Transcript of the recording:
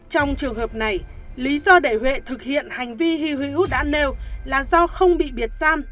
trong trường hợp này lý do để huệ thực hiện hành vi hy hữu đã nêu là do không bị biệt giam